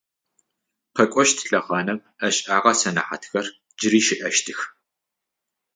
Къэкӏощт лъэхъанэм ӏэшӏагъэ сэнэхьатхэр джыри щыӏэщтых.